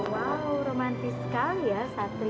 wow romantis sekali ya satria ini